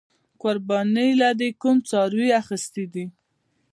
قربانۍ له دې کوم څاروې اغستی دی؟